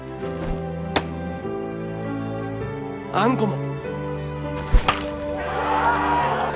あんこも。